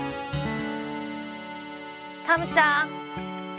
タムちゃん！